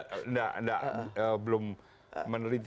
kalau itu saya belum meneliti